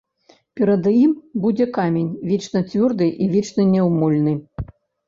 Перад ім будзе камень, вечна цвёрды і вечна няўмольны!